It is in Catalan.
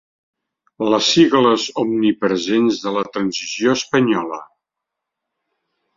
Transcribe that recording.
Les sigles omnipresents de la transició espanyola.